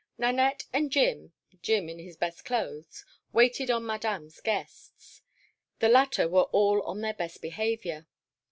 Nanette and Jim—Jim in his best clothes—waited on Madame's guests. The latter were all on their best behaviour.